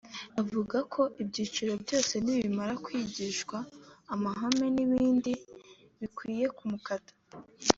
Avuga ko ibyiciro byose nibamara kwigishwa amahame n’ibindi bikwiye umukada